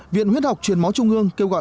viện huyết học truyền máu trung mương kêu gọi